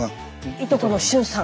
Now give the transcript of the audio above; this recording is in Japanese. いとこの駿さん。